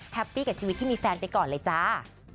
ปี้กับชีวิตที่มีแฟนไปก่อนเลยจ้า